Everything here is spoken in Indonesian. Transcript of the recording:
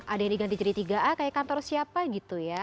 ada yang diganti jadi tiga a kayak kantor siapa gitu ya